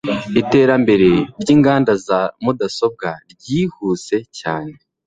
iterambere ryinganda za mudasobwa ryihuse cyane